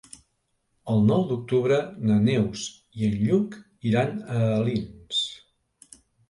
El nou d'octubre na Neus i en Lluc iran a Alins.